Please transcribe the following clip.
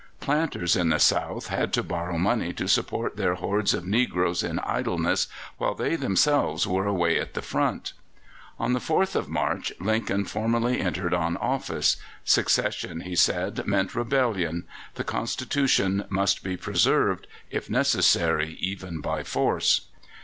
Planters in the South had to borrow money to support their hordes of negroes in idleness while they themselves were away at the front. On the 4th of March Lincoln formally entered on office. Secession, he said, meant rebellion. The Constitution must be preserved, if necessary, even by force.